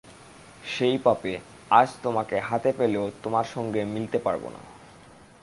সেই পাপে, আজ তোমাকে হাতে পেলেও তোমার সঙ্গে মিলতে পারব না।